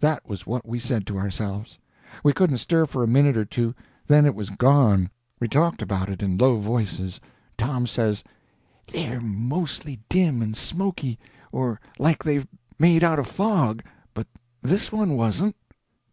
That was what we said to ourselves. [Illustration: It was Jake Dunlap's ghost.] We couldn't stir for a minute or two; then it was gone. We talked about it in low voices. Tom says: "They're mostly dim and smoky, or like they're made out of fog, but this one wasn't."